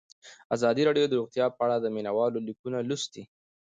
ازادي راډیو د روغتیا په اړه د مینه والو لیکونه لوستي.